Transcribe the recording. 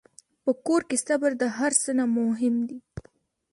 په کور کې صبر د هر څه نه مهم دی.